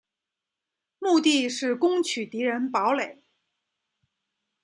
目的是攻取敌人堡垒。